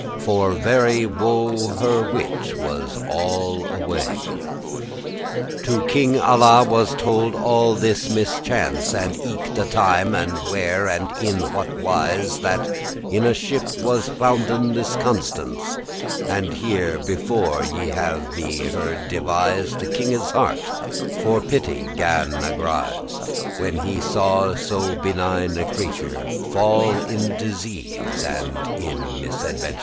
For very woe her wit was all away. To King Alla was told all this mischance And eke the time, and where, and in what wise That in a ship was founden this Constance, As here before ye have me heard devise:* *describe The kinges heart for pity *gan agrise,* *to be grieved, to tremble* When he saw so benign a creature Fall in disease* and in misaventure.